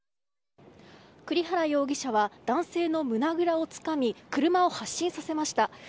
栗原容疑者は男性の胸ぐらをつかみ車を発進させました。